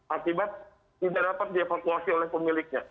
akibat tidak dapat dievakuasi oleh pemiliknya